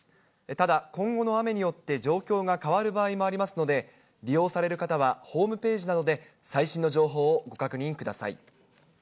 ただ、今後の雨によって状況が変わる場合もありますので、利用される方はホームページなどで最新の情報をご確認ください。